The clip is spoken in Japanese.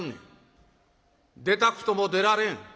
「出たくとも出られん」。